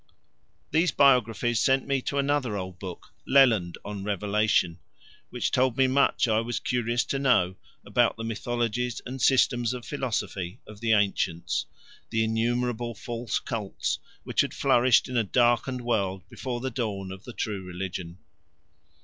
These biographies sent me to another old book, Leland on Revelation, which told me much I was curious to know about the mythologies and systems of philosophy of the ancients the innumerable false cults which had flourished in a darkened world before the dawn of the true religion.